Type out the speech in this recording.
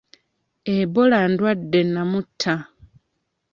Ebola ndwadde nnamutta.